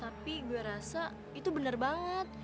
tapi gue rasa itu benar banget